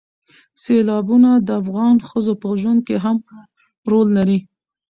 سیلابونه د افغان ښځو په ژوند کې هم رول لري.